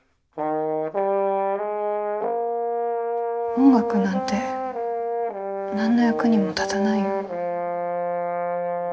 音楽なんて何の役にも立たないよ。